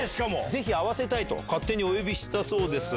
ぜひ会わせたいと勝手にお呼びしたそうです。